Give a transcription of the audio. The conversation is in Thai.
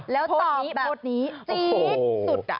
แล้วตอนนี้โพสต์นี้จี๊ดสุด